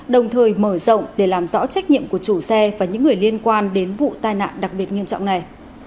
đồng thời mở rộng để làm rõ trách nhiệm của chủ xe và những người liên quan đến vụ tai nạn đặc biệt nghiêm trọng này